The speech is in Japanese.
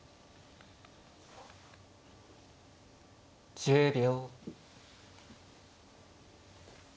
１０秒。